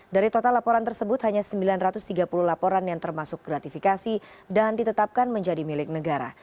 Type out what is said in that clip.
dari total laporan tersebut hanya sembilan ratus tiga puluh laporan yang termasuk gratifikasi dan ditetapkan menjadi milik negara